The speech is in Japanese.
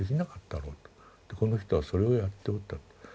この人はそれをやっておった。